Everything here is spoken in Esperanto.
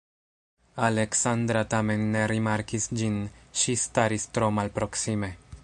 Aleksandra tamen ne rimarkis ĝin; ŝi staris tro malproksime.